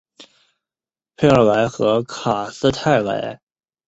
佩尔莱和卡斯泰莱。